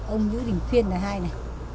ông nhữ đình phiên là hai này